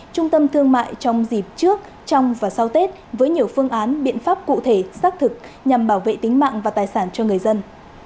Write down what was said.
trung tâm thương mại trong dịp trước trong và sau tết với nhiều phương án biện pháp cụ thể xác thực nhằm bảo vệ tính mạng và tài sản cho người dân